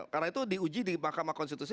karena itu diuji di mahkamah konstitusi